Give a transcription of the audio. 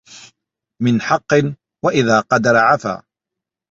مِنْ حَقٍّ ، وَإِذَا قَدَرَ عَفَا